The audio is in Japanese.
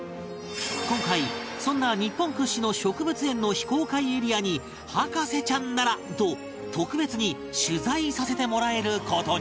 今回そんな日本屈指の植物園の非公開エリアに『博士ちゃん』ならと特別に取材させてもらえる事に